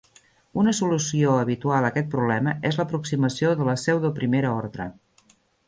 Una solució habitual a aquest problema és l'aproximació de la pseudoprimera ordre.